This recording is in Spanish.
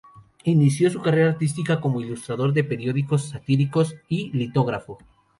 Inició su carrera artística como ilustrador de periódicos satíricos y litógrafo.